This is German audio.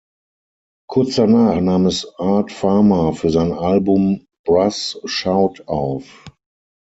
Kurz danach nahm es Art Farmer für sein Album "Brass Shout" auf.